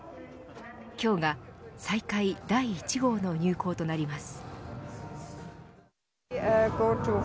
今日が、再開第１号の入港となります。